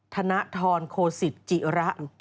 ธนทรโคสิตจิระ